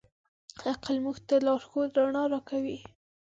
عقل موږ ته د لارښود رڼا راکوي.